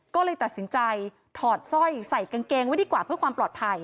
ก็เลยตัดสินใจถอดสร้อยใส่กางเกงไว้ดีกว่าเพื่อความปลอดภัย